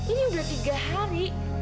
ini udah tiga hari